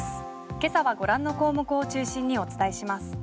今朝はご覧の項目を中心にお伝えします。